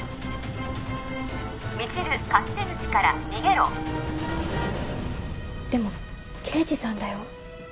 未知留勝手口から逃げろでも刑事さんだよ？